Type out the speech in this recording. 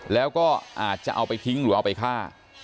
แล้วก็อาจจะเอาไปทิ้งหรือเอาไปฆ่า